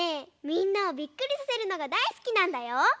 みんなをびっくりさせるのがだいすきなんだよ。